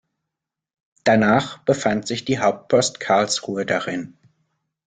Danach befand sich die Hauptpost Karlsruhe darin.